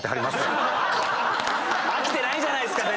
飽きてないじゃないですか！